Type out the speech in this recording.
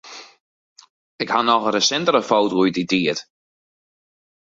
Ik haw noch in resintere foto út dy tiid.